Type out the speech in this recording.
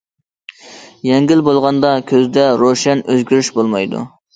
يەڭگىل بولغاندا كۆزدە روشەن ئۆزگىرىش بولمايدۇ.